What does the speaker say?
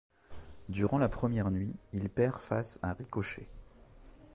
Durant la première nuit, il perd face à Ricochet.